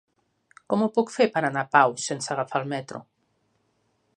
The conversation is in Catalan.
Com ho puc fer per anar a Pau sense agafar el metro?